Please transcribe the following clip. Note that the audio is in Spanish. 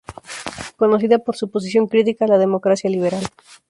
Conocida por su posición crítica a la democracia liberal.